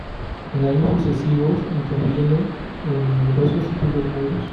En años sucesivos interviene en numerosos títulos mudos.